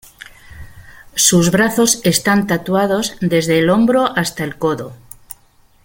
Sus brazos están tatuados desde el hombro hasta el codo.